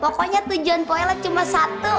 pokoknya tujuan pak ella cuma satu